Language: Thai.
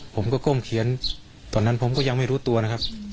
ผมก็ก้มเขียนตอนนั้นผมก็ยังไม่รู้ตัวนะครับ